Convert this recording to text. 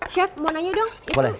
chef mau nanya dong